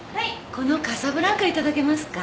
このカサブランカ頂けますか？